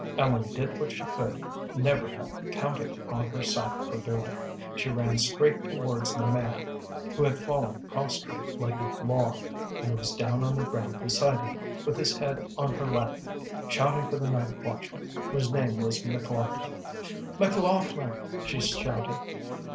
Ellen did what she could never have counted upon herself for doing. She ran straight towards the man, who had fallen prostrate like a log, and was down on the ground beside him, with his head on her lap, shouting for the night watchman, whose name was McLaughlin. "McLaughlin!" she shouted.